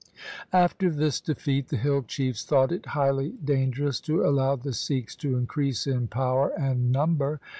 After this defeat, the hill chiefs thought it highly dangerous to allow the Sikhs to increase in power and number.